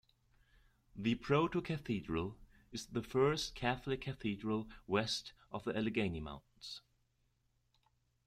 The proto-cathedral is the first Catholic Cathedral west of the Allegheny Mountains.